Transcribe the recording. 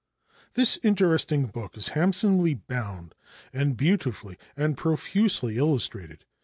This interesting book is handsomely bound and beautifully and profusely illustrated.